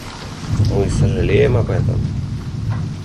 Мы сожалеем об этом.